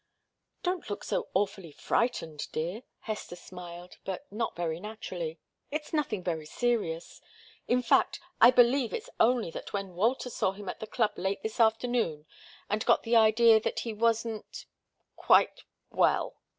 "Don't look so awfully frightened, dear!" Hester smiled, but not very naturally. "It's nothing very serious. In fact, I believe it's only that Walter saw him at the club late this afternoon and got the idea that he wasn't quite well."